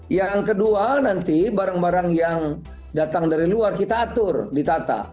yang kedua nanti barang barang yang datang dari luar kita atur ditata